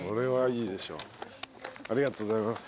ありがとうございます。